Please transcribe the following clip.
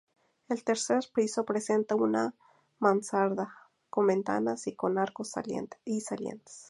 El tercer piso presenta una mansarda con ventanas con arcos y salientes.